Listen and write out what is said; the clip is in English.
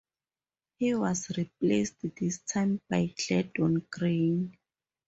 He was replaced this time by Glendon Crain.